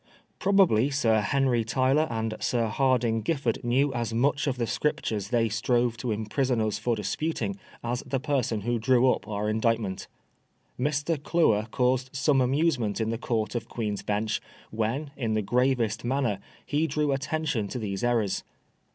Probably Sir Henry Tyler and Sir Hardinge Giffard knew as much of the Scriptures they strove to imprison us for disputing as the person who drew up our Indictment. Mr. Cluer caused some amusement in the Court of Queen's Bench "when, in the gravest manner, he drew attention to these errors.